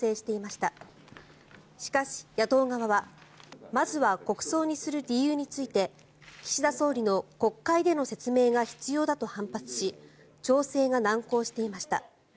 しかし、野党側はまずは国葬にする理由について岸田総理の国会での説明が必要だと反発し調整が難航していました。